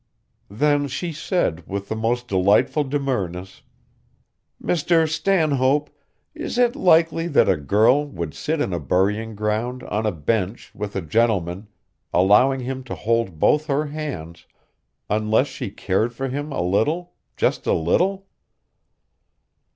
Then she said with the most delightful demureness: "Mr. Stanhope, is it likely that a girl would sit in a burying ground on a bench with a gentleman, allowing him to hold both her hands, unless she cared for him a little just a little?"